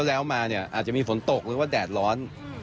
แล้วมาเนี่ยอาจจะมีฝนตกหรือว่าแดดร้อน